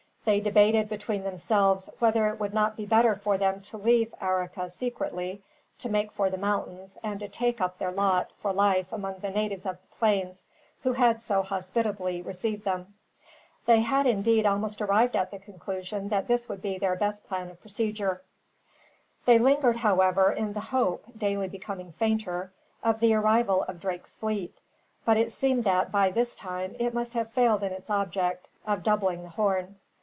They debated, between themselves, whether it would not be better for them to leave Arica secretly, to make for the mountains, and to take up their lot, for life, among the natives of the plains, who had so hospitably received them. They had, indeed, almost arrived at the conclusion that this would be their best plan of procedure. They lingered, however, in the hope, daily becoming fainter, of the arrival of Drake's fleet; but it seemed that, by this time, it must have failed in its object of doubling the Horn.